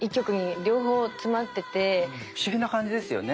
不思議な感じですよね。